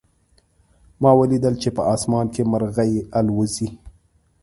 ما ولیدل چې په آسمان کې مرغۍ الوزي